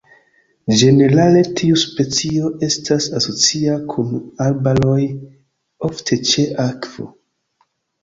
Ĝenerale tiu specio estas asocia kun arbaroj, ofte ĉe akvo.